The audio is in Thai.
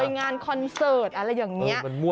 งานคอนเสิร์ตอะไรอย่างนี้